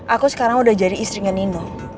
aku sekarang udah jadi istri dengan nino